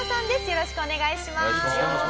よろしくお願いします。